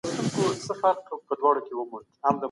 څنګه کولای سو ښه راتلونکی ولرو؟